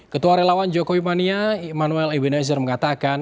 ketua relawan jokowi mania immanuel ebenezer mengatakan